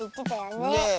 ねえ。